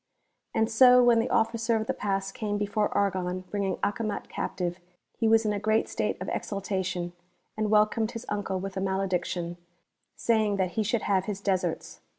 yVxD so when the Officer of the Pass came before Argon bringing Acomat captive, he was in a great state of exulta tion, and welcomed his uncle with a malediction,* saying that he should have his deserts.